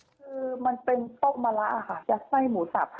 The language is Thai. คือมันเป็นโป๊บมะระอะค่ะจากไส้หมูสับ